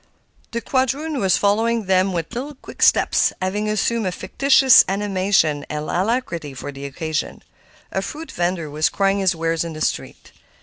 The quadroon was following them with little quick steps, having assumed a fictitious animation and alacrity for the occasion. A fruit vender was crying his wares in the street.